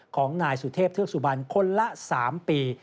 ของนายสุเทพเทือกสุบันคนละ๓ปี